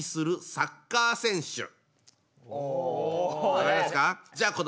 分かりましたか？